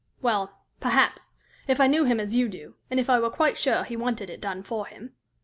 Well, perhaps; if I knew him as you do, and if I were quite sure he wanted it done for him."